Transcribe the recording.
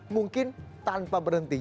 mungkin tanpa berhenti